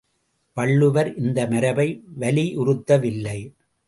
வள்ளுவர் இந்த மரபை வலியுறுத்தவில்லை.